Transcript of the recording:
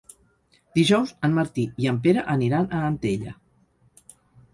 Dijous en Martí i en Pere aniran a Antella.